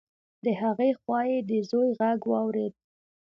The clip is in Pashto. د هغې خوا يې د زوی غږ واورېد.